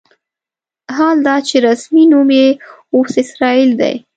حال دا چې رسمي نوم یې اوس اسرائیل دی.